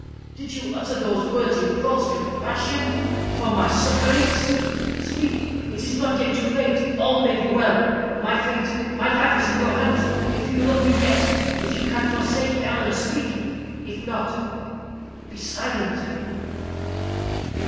Did you utter those words in false compassion for my sufferings? Speak, it is not yet too late all may be well. My fate my life is in your hands. If you love me yet if you can forsake Eleanor, speak if not, be silent."